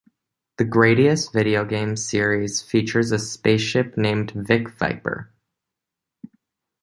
The "Gradius" video game series features a spaceship named "Vic Viper".